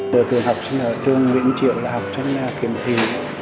từ từ học sinh ở trường nguyễn triều là học sinh khiếm thị